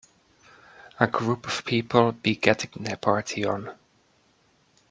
A group of people be getting their party on.